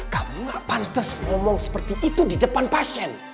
kamu gak pantas ngomong seperti itu di depan pasien